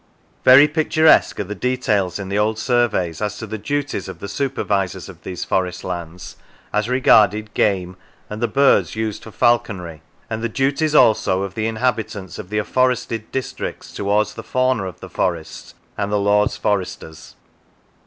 Very picturesque are the details in the old surveys as to the duties of the super visors of these forest lands, as regarded game, and the birds used for falconry; and the duties also of the inhabitants of the afforested districts towards the fauna of the forest and the lord's foresters.